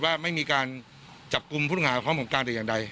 ว่าไม่มีการจับกลุ่มพุทธหาความผงกลางตัวอย่างใด